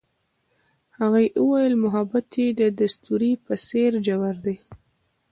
هغې وویل محبت یې د ستوري په څېر ژور دی.